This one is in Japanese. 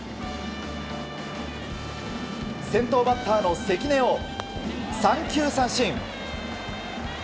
先頭バッターの関根を三球三振。